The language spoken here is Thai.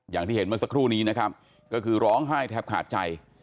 อย่างที่เห็นเมื่อสักครู่นี้นะครับก็คือร้องไห้แทบขาดใจ